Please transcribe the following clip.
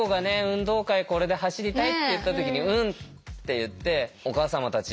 「運動会これで走りたい？」って言った時に「うん」って言ってお母様たちうれしかったと思うし。